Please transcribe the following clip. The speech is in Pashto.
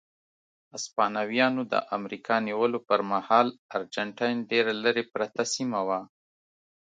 هسپانویانو د امریکا نیولو پر مهال ارجنټاین ډېره لرې پرته سیمه وه.